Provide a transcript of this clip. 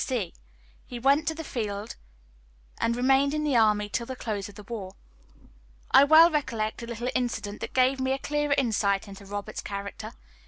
D. C. he went to the field, and remained in the army till the close of the war. I well recollect a little incident that gave me a clearer insight into Robert's character.